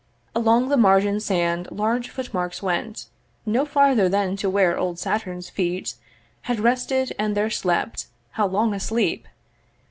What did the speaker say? Along the margin sand large footmarks went No farther than to where old Saturn's feet Had rested, and there slept, how long a sleep!